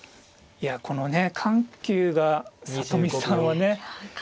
いやこのね緩急が里見さんはね